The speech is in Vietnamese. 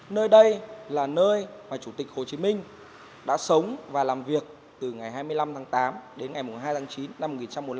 nơi đây là nơi mà chủ tịch hồ chí minh đã sống và làm việc từ ngày hai mươi năm tháng tám đến ngày hai tháng chín năm một nghìn chín trăm bốn mươi năm